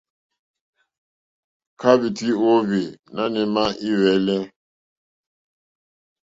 Kahva iti o ohwi nanù ema i hwelì e?